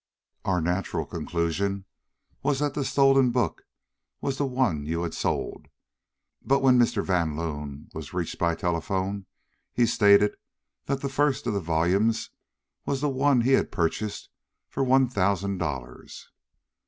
"Our natural conclusion was that the stolen book was the one that you had sold, but when Mr. Van Loon was reached by telephone, he stated that the first of the volumes was the one that he had purchased for one thousand dollars.